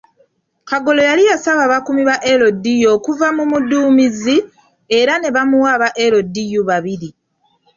Kagolo yali yasaba abakuumi ba LDU okuva ku muduumizi era ne bamuwa aba LDU babiri.